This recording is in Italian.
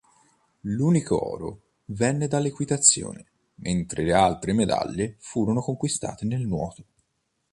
L'unico oro venne dall'equitazione, mentre le altre medaglie furono conquistate nel nuoto.